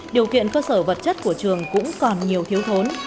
điều kiện cơ sở vật chất của trường cũng còn nhiều thiếu thốn